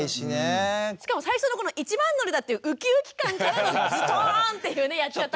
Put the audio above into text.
しかも最初のこの一番乗りだっていうウキウキ感からのズトーンっていうね「やっちゃった！」感。